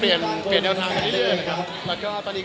อย่างนั้นจะดัดนะภักษ์ดนตรี